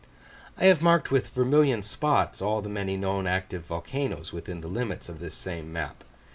I have marked with vermilion spots all the many known active volcanos within the limits of this same map.